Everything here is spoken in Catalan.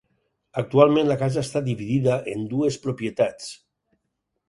Actualment la casa està dividida en dues propietats.